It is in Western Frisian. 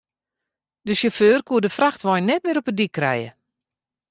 De sjauffeur koe de frachtwein net mear op de dyk krije.